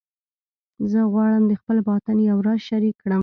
زه غواړم د خپل باطن یو راز شریک کړم